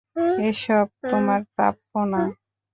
এসব তোমার প্রাপ্য না।